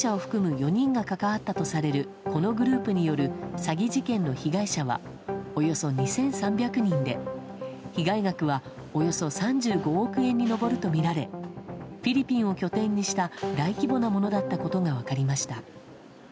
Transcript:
４人が関わったとされるこのグループによる詐欺事件の被害者はおよそ２３００人で被害額はおよそ３５億円に上るとみられフィリピンを拠点にした大規模なものだったことが分かりました。